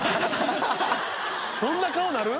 そんな顔なる？